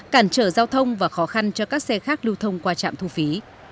cản trở giao thông và khó khăn cho các xe khác lưu thông qua trạm thu phí